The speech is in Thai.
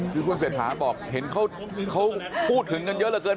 คือคุณเศรษฐาบอกเห็นเขาพูดถึงกันเยอะเหลือเกิน